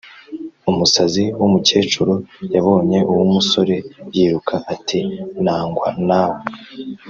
Umusazi w’umukecuru yabonye uw’umusore yiruka ati nangwa nawe